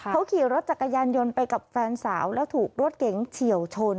เขาขี่รถจักรยานยนต์ไปกับแฟนสาวแล้วถูกรถเก๋งเฉียวชน